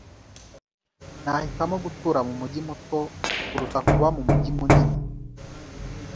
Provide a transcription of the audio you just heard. Nahitamo gutura mumujyi muto kuruta kuba mumujyi munini.